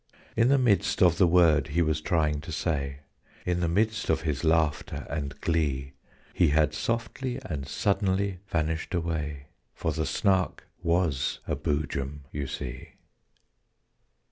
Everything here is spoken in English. In the midst of the word he was trying to say, In the midst of his laughter and glee, He had softly and suddenly vanished away For the Snark was a Boojum, you see.